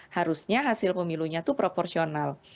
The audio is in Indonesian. harusnya hasil pemilunya itu proporsional